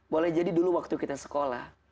boleh jadi dulu waktu kita sekolah